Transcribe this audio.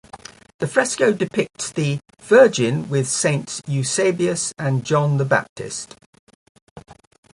The fresco depicts the "Virgin with Saints Eusebius and John the Baptist".